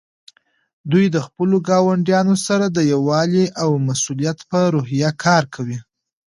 دوی د خپلو ګاونډیانو سره د یووالي او مسؤلیت په روحیه کار کوي.